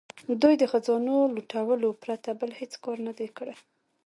دوی د خزانو لوټلو پرته بل هیڅ کار نه دی کړی.